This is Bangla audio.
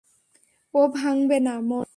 ও ভাঙ্গবে না, মরবে।